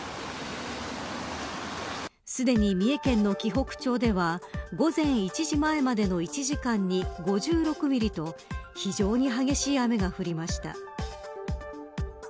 すでに三重県の紀北町では午前１時前までの１時間に５６ミリと非常に激しい雨が降りました。